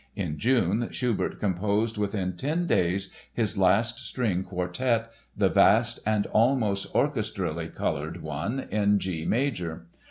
In June Schubert composed within ten days his last string quartet, the vast and almost orchestrally colored one in G major.